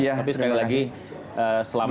tapi sekali lagi selamat